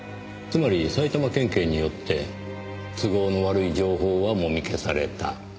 つまり埼玉県警によって都合の悪い情報はもみ消された。